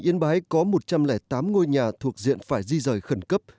yên bái có một trăm linh tám ngôi nhà thuộc diện phải di rời khẩn cấp